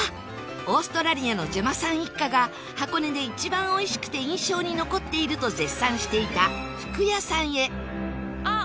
オーストラリアのジェマさん一家が箱根で一番おいしくて印象に残っていると絶賛していた福久やさんへ滝沢：あっ！